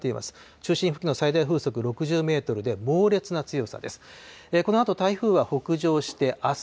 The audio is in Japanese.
中心付近の最大風速６０メートルで、猛烈な強さです。